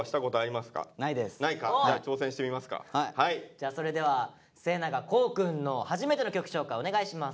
じゃあそれでは末永光くんの初めての曲紹介お願いします。